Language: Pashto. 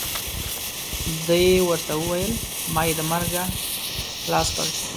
دې ورته وویل ما یې د مرګه خلاص کړ.